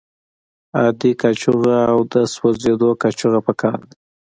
عادي قاشوغه او د سوځیدو قاشوغه پکار ده.